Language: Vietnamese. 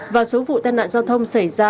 và số vụ tai nạn giao thông xảy ra